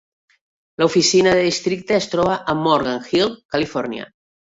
L'oficina de districte es troba a Morgan Hill, Califòrnia.